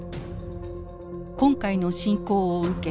今回の侵攻を受け